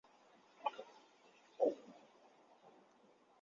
金融街中心广场西端建有大型喷泉。